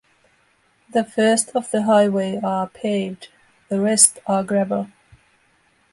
The first of the highway are paved; the rest are gravel.